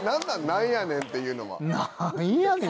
何やねんっていうのは。